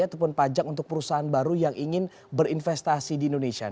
ataupun pajak untuk perusahaan baru yang ingin berinvestasi di indonesia